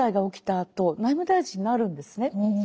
あと内務大臣になるんですね。